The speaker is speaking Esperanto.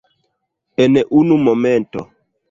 En unu momento.